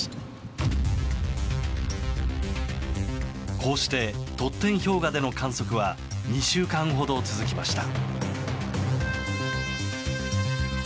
こうしてトッテン氷河での観測は２週間ほど続きました。